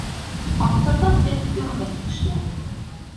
Аҫтыртын эт өрмәй тешләр.